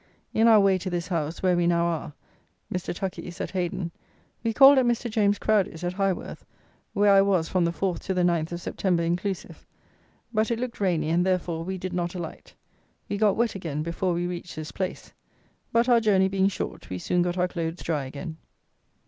In our way to this house, where we now are, Mr. Tucky's, at Heydon, we called at Mr. James Crowdy's, at Highworth, where I was from the 4th to the 9th of September inclusive; but it looked rainy, and, therefore, we did not alight. We got wet again before we reached this place; but, our journey being short, we soon got our clothes dry again.